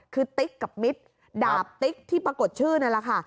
คือติ๊กกับมิตรดาบติ๊กที่ปรากฏชื่อนั่นแหละค่ะ